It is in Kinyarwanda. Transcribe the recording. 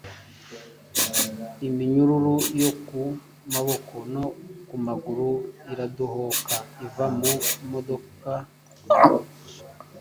iminyururu yo ku maboko no ku maguru iradohoka iva mu maboko n’amaguru y’intumwa